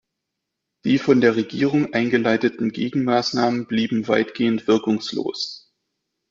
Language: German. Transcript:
Die von der Regierung eingeleiteten Gegenmaßnahmen blieben weitgehend wirkungslos.